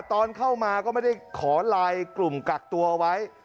ตอนเข้ามาก็ไม่ได้ขอไลน์กลุ่มกักตัวเอาไว้